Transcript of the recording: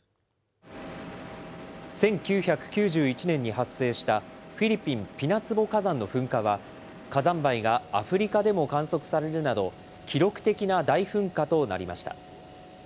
１９９１年に発生したフィリピン・ピナツボ火山の噴火は、火山灰がアフリカでも観測されるなど、記録的な大噴火となりました。